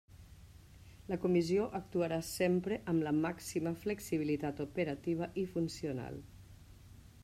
La Comissió actuarà sempre amb la màxima flexibilitat operativa i funcional.